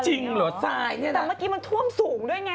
จริงเหรอทรายเนี่ยนะแต่เมื่อกี้มันท่วมสูงด้วยไง